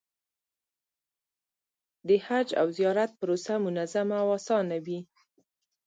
د حج او زیارت پروسه منظمه او اسانه وي.